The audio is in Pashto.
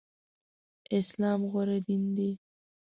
اسلام غوره دين دی.